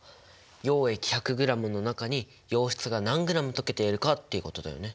溶液１００ｇの中に溶質が何ｇ溶けているかっていうことだよね。